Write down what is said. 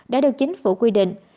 đã được chính phủ quy định